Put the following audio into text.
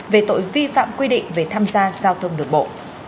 về tội vi phạm quy định về tham gia giao thông đường bộ